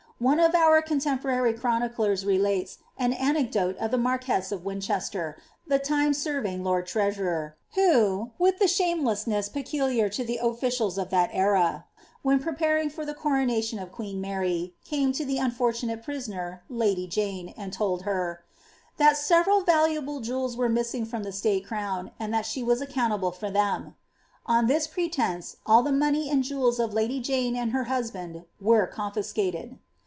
One of oar con temporary chroniclers relates an anecdote of the marquess of Winchet ter, the time serving lord treasurer, who, with the shamelessness peculiar to the officials of that era, when preparing for the coronation of queeo Mary, came to the unfortunate prisoner, lady Jane, and told her, "that several valuable jewels were missing from the state crown, and that she was accountable for them." On this pretence all the money and jewds of lady Jane and her husband were confiscated.